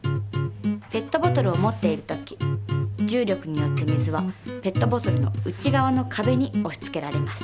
ペットボトルを持っている時重力によって水はペットボトルの内側のかべにおしつけられます。